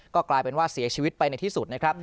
ก็กลายเป็นว่าเสียชีวิตไปในที่สุดนะครับ